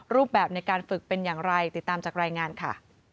รูปแบบในการฝึกเป็นอย่างไรติดตามจากรายงานค่ะ